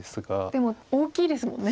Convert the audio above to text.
でも大きいですもんね